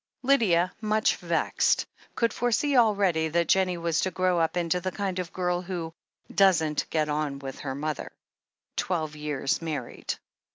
Lydia, much vexed, could foresee already that Jennie was to grow up into the kind of girl "who doesn't get on with her mother." Twelve years married.